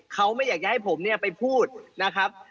เขาไม่อยากจะให้ผมเนี่ยไปพูดนะครับ